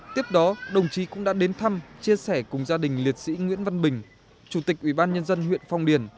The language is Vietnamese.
tiếp đó đồng chí cũng đã đến thăm chia sẻ cùng gia đình liệt sĩ nguyễn văn bình chủ tịch ủy ban nhân dân huyện phong điền